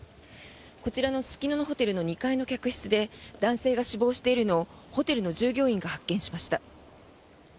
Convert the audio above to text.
こちらのすすきののホテルの２階の客室で男性が死亡しているのをホテルの従業員が発見しました。